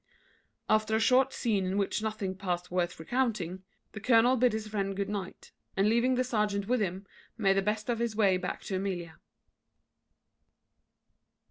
After a short scene in which nothing past worth recounting, the colonel bid his friend good night, and leaving the serjeant with him, made the best of his way back to Amelia.